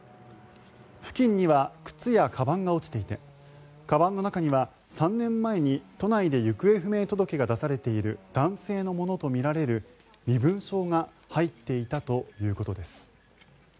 付近には靴やかばんが落ちていてかばんの中には３年前に都内で行方不明届が出されている男性のものとみられる身分証が入っていたということです。